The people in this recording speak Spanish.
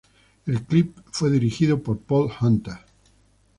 El clip fue dirigido por Paul Hunter.